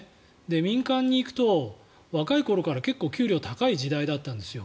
民間に行くと若い頃から結構、給料が高い時代だったんですよ。